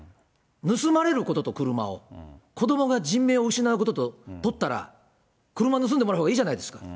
盗まれることと車を、子どもが人命を失うこととったら、車盗んでもらうほうがいいじゃないですか。